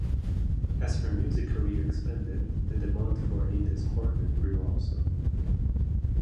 As her music career expanded, the demand for Anita Skorgan grew also.